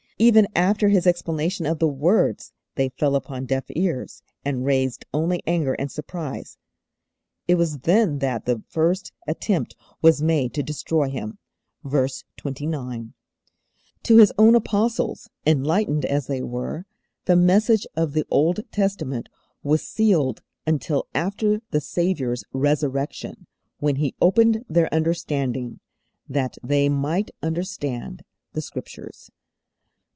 Even after His explanation of the words they fell upon deaf ears and raised only anger and surprise. It was then that the first attempt was made to destroy Him. (Verse 29.) To His own Apostles, enlightened as they were, the message of the Old Testament was sealed until after the Saviour's Resurrection, when He '_opened their understanding, that they might understand the Scriptures.